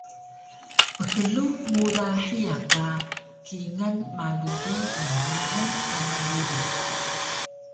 Pklug muda hiya ka kingal malu bi lnglungan tama rudan